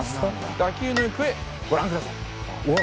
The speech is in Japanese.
打球の行方ご覧ください。